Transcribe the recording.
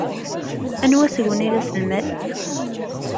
Anwa seg-wen i d aselmad.